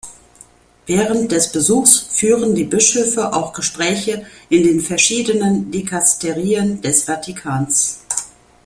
Während des Besuchs führen die Bischöfe auch Gespräche in den verschiedenen Dikasterien des Vatikans.